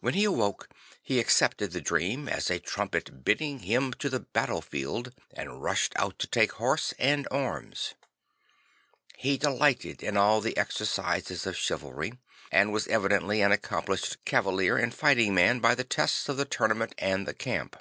When he awoke he accepted the dream as a trumpet bidding him to the battlefield, and rushed out to take horse and arms. He delighted in all the exercises of chivalry; and was eviden tl y an accomplished cavalier and fighting man by the tests of the tournament and the camp.